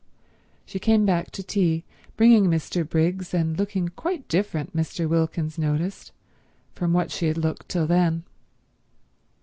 She came back to tea, bringing Mr. Briggs, and looking quite different, Mr. Wilkins noticed, from what she had looked till then.